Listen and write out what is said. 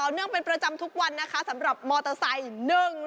เนื่องเป็นประจำทุกวันนะคะสำหรับมอเตอร์ไซค์